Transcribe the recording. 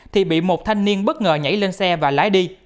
thì bị một thanh niên bất ngờ nhảy lên xe và lái đi